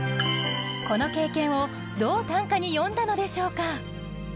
この経験をどう短歌に詠んだのでしょうか？